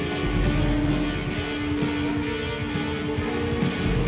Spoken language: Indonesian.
hei siapa di situ weh